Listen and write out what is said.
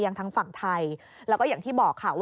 ยังทั้งฝั่งไทย